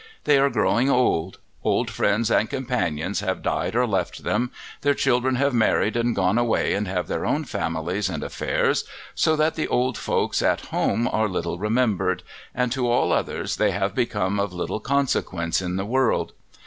They are growing old: old friends and companions have died or left them; their children have married and gone away and have their own families and affairs, so that the old folks at home are little remembered, and to all others they have become of little consequence in the world.